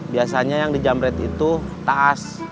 biasanya yang di jam red itu tas